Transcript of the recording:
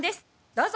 どうぞ。